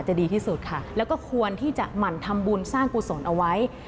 ดีที่สุดค่ะแล้วก็ควรที่จะหมั่นทำบุญสร้างกุศลเอาไว้